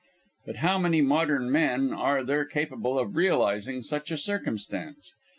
But how many modern men are there capable of realising such a circumstance?